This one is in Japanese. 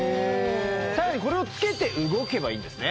更にこれをつけて動けばいいんですね